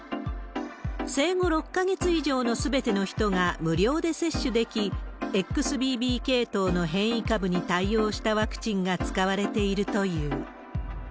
生後６か月以上のすべての人が無料で接種でき、ＸＢＢ系統の変異株に対応したワクチンが使われているという。